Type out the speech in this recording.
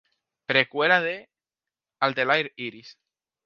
Precuela de "Atelier Iris".